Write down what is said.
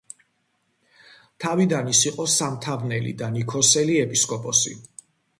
თავიდან ის იყო სამთავნელი და ნიქოზელი ეპისკოპოსი.